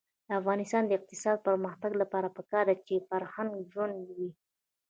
د افغانستان د اقتصادي پرمختګ لپاره پکار ده چې فرهنګ ژوندی وي.